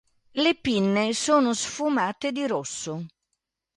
Le pinne sono sfumate di rosso.